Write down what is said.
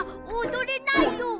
おどれないよ！